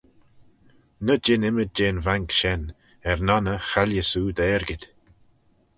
Ny jean ymmyd jeh'n vanc shen, er nonney chaillys oo dt'argid.